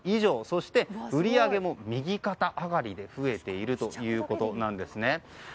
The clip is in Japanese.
そして売り上げも右肩上がりで増えているということです。